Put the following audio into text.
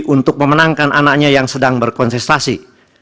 untuk memenangkan anaknya yang sedang berkonsentrasi